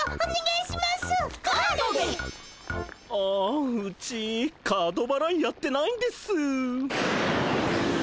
あうちカードばらいやってないんです。